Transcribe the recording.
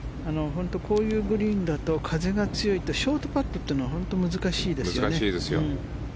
本当こういうグリーンだと風が強いとショートパットって本当難しいですよね。